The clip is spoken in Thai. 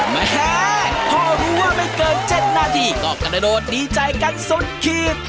แม่พอรู้ว่าไม่เกิน๗นาทีก็กระโดดดีใจกันสุดขีด